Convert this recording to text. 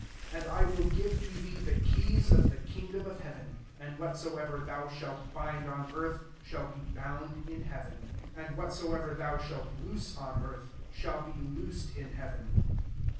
19 And I will give to thee the keys of the kingdom of heaven ; and whatsoever thou shalt bind on earth shall be bound in heaven ; and whatsoever thou shalt loose on earth shall be loosed in hea ven."